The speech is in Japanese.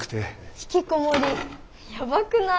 ひきこもりやばくない？